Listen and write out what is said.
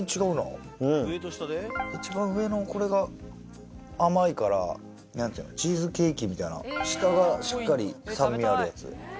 一番上のこれが甘いからチーズケーキみたいな下がしっかり酸味あるやつ。